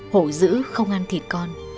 hổ dữ không ăn thịt con